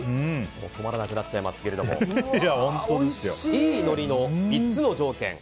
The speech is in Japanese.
止まらなくなっちゃいますがいいのりの３つの条件。